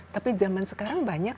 tapi zaman sekarang banyak